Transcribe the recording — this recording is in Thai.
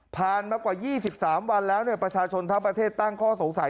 มากว่า๒๓วันแล้วประชาชนทั้งประเทศตั้งข้อสงสัย